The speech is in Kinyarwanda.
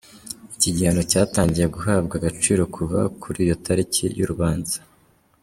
Iki gihano cyatangiye guhabwa agaciro kuva kuri iyo tariki y’urubanza.